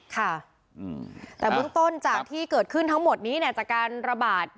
ค่ะแต่เบื้องต้นจากที่เกิดขึ้นทั้งหมดนี้เนี่ยจากการระบาด